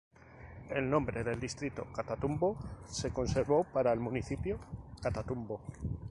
El nombre del distrito Catatumbo se conservó para el municipio Catatumbo.